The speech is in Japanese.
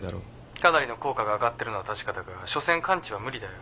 かなりの効果が上がってるのは確かだがしょせん完治は無理だよ。